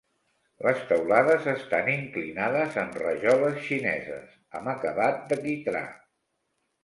Les teulades estan inclinades amb rajoles xineses amb acabat de quitrà.